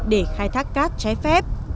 để khai thác cát trái phép